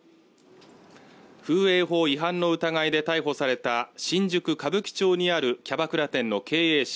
風営法違反の疑いで逮捕された新宿歌舞伎町にあるキャバクラ店の経営者